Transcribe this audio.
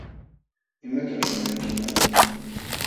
¿Imataćh lulankiman?